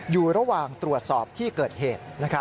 อยู่ระหว่างตรวจสอบที่เกิดเหตุ